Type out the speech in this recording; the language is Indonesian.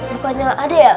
bukannya ada ya